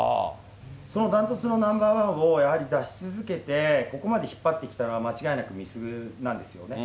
その断トツのナンバーワンをやはり出し続けて、ここまで引っ張ってきたのは、間違いなく碧優なんですね。